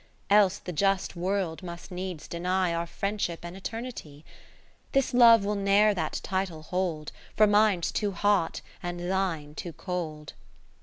VII Else the just World must needs deny Our Friendship an eternity : This love will ne'er that title hold : For mine 's too hot, and thine too cold.